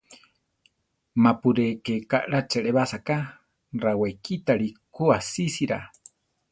Ma-pu ré, ké kaʼrá cheʼlebasa ka; rawekítari ku asísira.